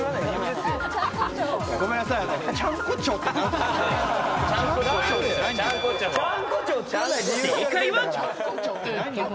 ごめんなさい、正解は。